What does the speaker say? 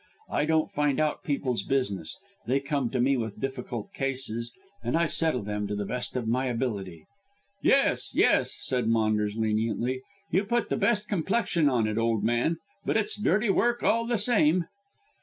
I don't find out people's business. They come to me with difficult cases, and I settle them to the best of my ability." "Yes, yes," said Maunders leniently, "you put the best complexion on it, old man, but it's dirty work all the same."